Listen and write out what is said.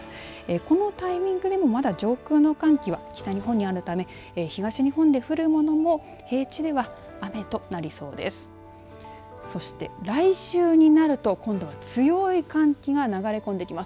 このタイミングでも、まだ上空の寒気は北日本にあるため東日本で降るものの平地では雨となりそうです。